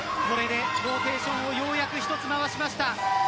これでローテーションをようやく一つ回しました。